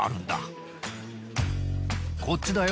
こっちだよ。